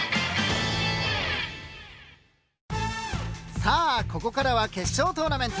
さあここからは決勝トーナメント。